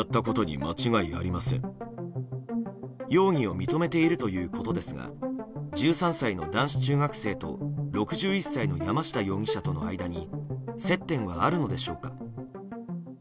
容疑を認めているということですが１３歳の男子中学生と６１歳の山下容疑者との間に接点はあるのでしょうか。